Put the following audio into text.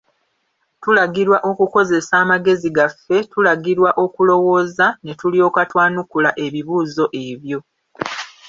Tulagirwa okukozesa amagezi gaffe, tulagirwa okulowooza, ne tulyoka twanukula ebibuuzo ebyo.